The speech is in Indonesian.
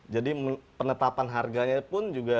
jadi penetapan harganya pun juga